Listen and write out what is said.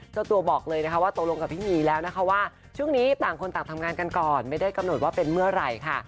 เจ้าตัวบอกเลยนะคะว่าตกลงกับพี่หมีแล้วนะคะว่าช่วงนี้ต่างคนต่างทำงานกันก่อนไม่ได้กำหนดว่าเป็นเมื่อไหร่ค่ะ